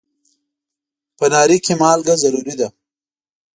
په ناري کې مالګه ضروري ده.